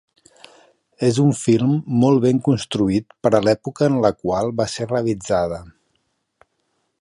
És un film molt ben construït per a l'època en la qual va ser realitzada.